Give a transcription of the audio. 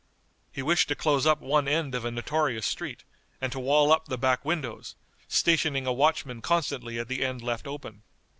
He wished to close up one end of a notorious street, and to wall up the back windows, stationing a watchman constantly at the end left open.